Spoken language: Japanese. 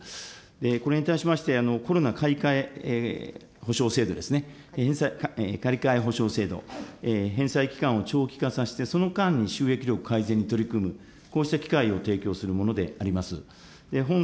これに対しまして、コロナかいかえ保証制度ですね、借り換え保証制度、返済期間を長期化させて、その間に収益力改善に取り組む、こうした機会を提供するものであります。